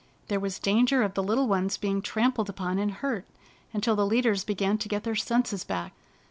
There was danger of the little ones being trampled upon and hurt until the leaders began to get their senses back.